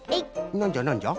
なんじゃなんじゃ？